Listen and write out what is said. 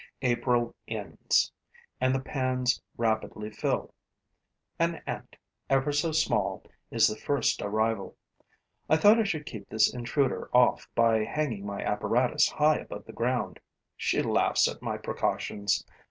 April ends; and the pans rapidly fill. An ant, ever so small, is the first arrival. I thought I should keep this intruder off by hanging my apparatus high above the ground: she laughs at my precautions.